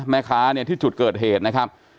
แม่ค้าเนี่ยที่จุดเกิดเหตุนะครับ